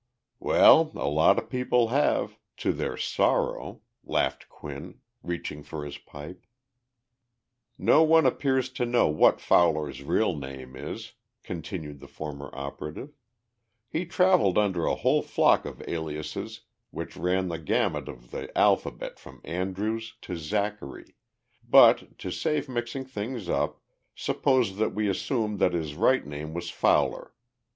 "Well, a lot of people have to their sorrow," laughed Quinn, reaching for his pipe. No one appears to know what Fowler's real name is [continued the former operative]. He traveled under a whole flock of aliases which ran the gamut of the alphabet from Andrews to Zachary, but, to save mixing things up, suppose that we assume that his right name was Fowler.